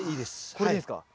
これでいいですか？